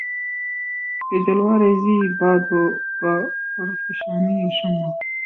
بہ جلوہ ریـزئ باد و بہ پرفشانیِ شمع